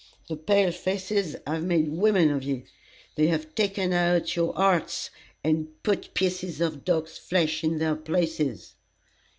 The pale faces have made women of ye. They have taken out your hearts, and put pieces of dog's flesh in their places."